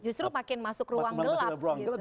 justru makin masuk ruang gelap